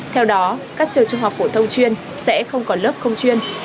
theo đó các trường trung học phổ thông chuyên sẽ không có lớp không chuyên